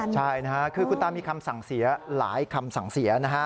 ใช่คือคุณตามีคำสั่งเสียหลายคำสั่งเสีย